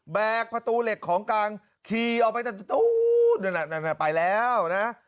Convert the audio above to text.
แบกประตูเหล็กของกังขี่ออกไปจากประตูไปแล้วนะ